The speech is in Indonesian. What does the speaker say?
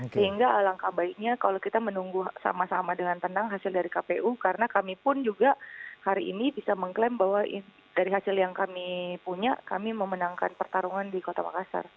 sehingga alangkah baiknya kalau kita menunggu sama sama dengan tenang hasil dari kpu karena kami pun juga hari ini bisa mengklaim bahwa dari hasil yang kami punya kami memenangkan pertarungan di kota makassar